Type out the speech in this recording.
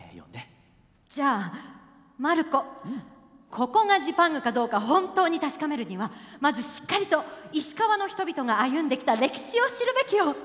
ここがジパングかどうか本当に確かめるにはまずしっかりと石川の人々が歩んできた歴史を知るべきよ。